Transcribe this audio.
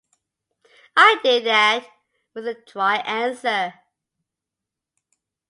"I did that," was the dry answer.